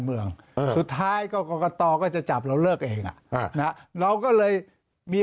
เมืองสุดท้ายก็กรกตก็จะจับเราเลิกเองอ่ะฮะนะเราก็เลยมี